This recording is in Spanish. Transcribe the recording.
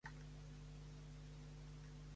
Nació en Wrexham, Gales.